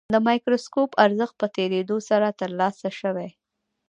د مایکروسکوپ ارزښت په تېرېدو سره ترلاسه شوی.